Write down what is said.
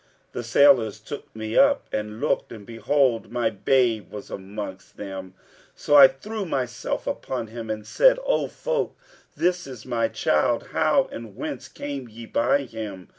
The sailors took me up and I looked and behold, my babe was amongst them: so I threw myself upon him and said, 'O folk, this is my child: how and whence came ye by him?'